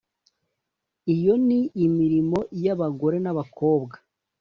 Iyo ni imirimo y’abagore n’abakobwa.